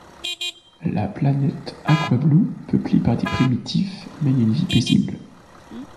La planète Aquablue, peuplée par des primitifs, mène une vie paisible.